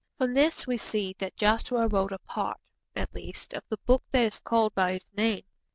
From this we see that Joshua wrote a part, at least, of the Book that is called by his name.